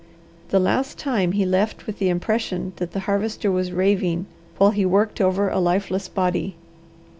The last time he left with the impression that the Harvester was raving, while he worked over a lifeless body.